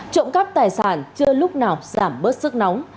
trộm cắp tài sản chưa lúc nào giảm bớt sức nóng